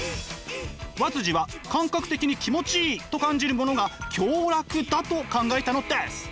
和は感覚的に気持ちいいと感じるものが享楽だと考えたのです。